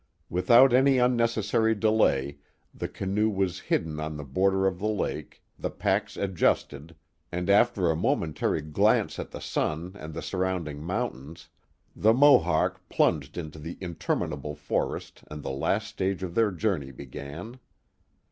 Without any unnecessary delay the canoe was hidden on the border of the lake, the packs adjusted, and after a momentary glance at the sun and the surrounding mountains, the Mohawk plunged into the interminable forest and the last stage of their journey began.